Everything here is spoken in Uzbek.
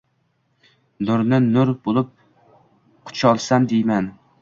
Nurini nur bo’lib qucholsam, deyman.